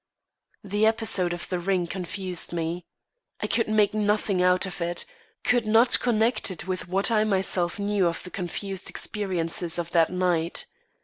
The episode of the ring confused me. I could make nothing out of it, could not connect it with what I myself knew of the confused experiences of that night.